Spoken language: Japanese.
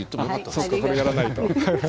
そっかこれやらないと。